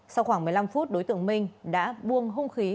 sau khoảng một mươi năm phút đối tượng minh đã buông hung khí vào đầu hàng